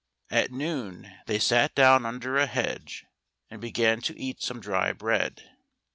At noon they sat down under a hedge, and began to eat some dry bread.